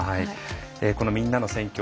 この「みんなの選挙」